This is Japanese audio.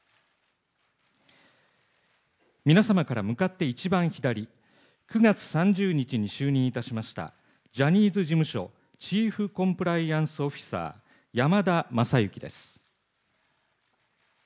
皆様から向かって一番左、９月３０日に就任いたしましたジャニーズ事務所チーフコンプライアンスオフィサー、山田将之です。